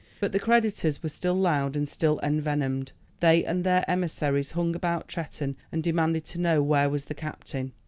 But the creditors were still loud, and still envenomed. They and their emissaries hung about Tretton and demanded to know where was the captain.